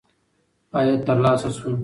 عاید ترلاسه شو.